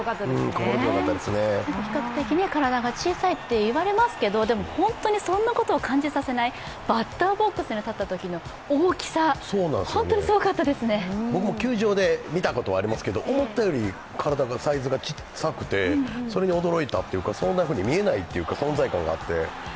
比較的体が小さいと言われますけれども、でも、本当にそんなことを感じさせない、バッターボックスに立ったときの大きさ、僕も球場で見たことがありますけど思ったよりサイズが小さくてそれに驚いたというかそんなふうに見えないというか、存在感があって。